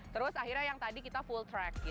terus akhirnya yang tadi kita full track